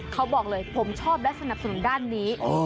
เขาบอกเลยผมชอบและสนับสนุนด้านนี้